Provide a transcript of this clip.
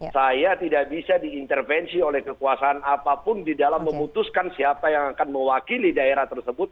saya tidak bisa diintervensi oleh kekuasaan apapun di dalam memutuskan siapa yang akan mewakili daerah tersebut